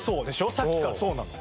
さっきからそうなの。